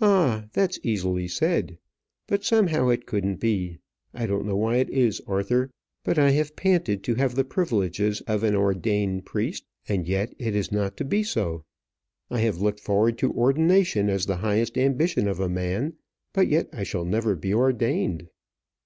"All! that's easily said; but somehow it couldn't be. I don't know why it is, Arthur; but I have panted to have the privileges of an ordained priest, and yet it is not to be so. I have looked forward to ordination as the highest ambition of a man, but yet I shall never be ordained."